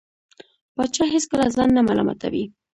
پاچا هېڅکله ځان نه ملامتوي .